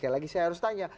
sekali lagi saya harus tanya